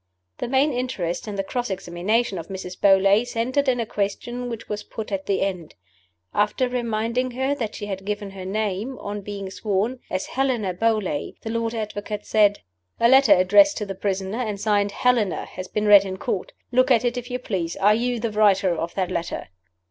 The main interest in the cross examination of Mrs. Beauly centered in a question which was put at the end. After reminding her that she had given her name, on being sworn, as "Helena Beauly," the Lord Advocate said: "A letter addressed to the prisoner, and signed 'Helena,' has been read in Court. Look at it, if you please. Are you the writer of that letter?"